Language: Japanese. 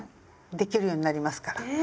できるようになりますから。